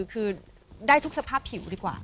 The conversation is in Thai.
คือได้ทุกสภาพผิวดีกว่า